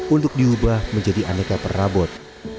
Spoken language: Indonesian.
untuk diubah menjadi aneka perabot